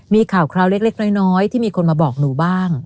มีข่าวคราวเล็กน้อยที่มีคนมาบอกหนูบ้าง